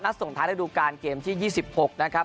ส่งท้ายระดูการเกมที่๒๖นะครับ